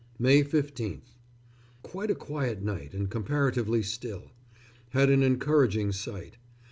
May 15th. Quite a quiet night and comparatively still. Had an encouraging sight.